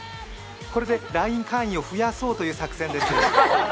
これでＬＩＮＥ会員を増やそうという作戦です。